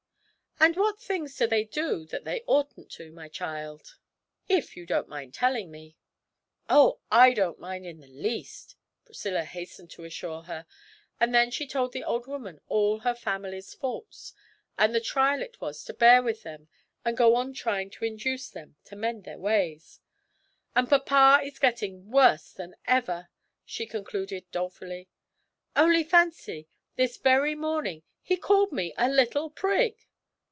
'And what things do they do that they oughtn't to, my child if you don't mind telling me?' 'Oh, I don't mind in the least!' Priscilla hastened to assure her; and then she told the old woman all her family's faults, and the trial it was to bear with them and go on trying to induce them to mend their ways. 'And papa is getting worse than ever,' she concluded dolefully; 'only fancy, this very morning he called me a little prig!'